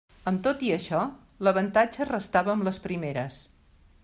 Amb tot i això, l'avantatge restava amb les primeres.